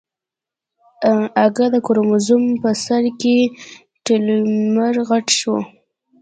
اگه د کروموزوم په سر کې ټيلومېر غټ شو.